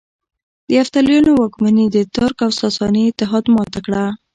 د یفتلیانو واکمني د ترک او ساساني اتحاد ماته کړه